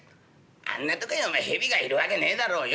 「あんなとこへお前蛇がいる訳ねえだろうよ。